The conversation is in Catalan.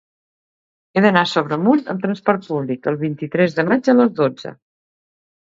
He d'anar a Sobremunt amb trasport públic el vint-i-tres de maig a les dotze.